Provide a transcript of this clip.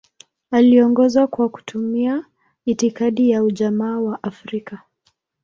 Aliongoza kwa kutumia itikadi ya Ujamaa wa Afrika.